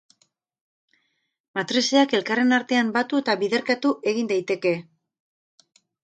Matrizeak elkarren artean batu eta biderkatu egin daiteke.